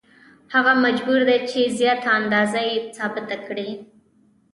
هغه مجبور دی چې زیاته اندازه یې ثابته کړي